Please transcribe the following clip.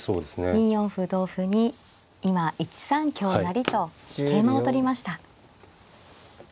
２四歩同歩に今１三香成と桂馬を取りました。